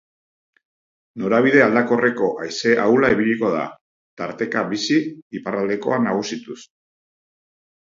Norabide aldakorreko haize ahula ibiliko da, tarteka bizi, iparraldekoa nagusituz.